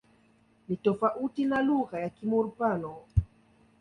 Ni tofauti na lugha ya Kimur-Pano.